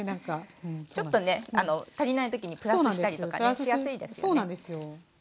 ちょっとね足りない時にプラスしたりとかねしやすいですよね。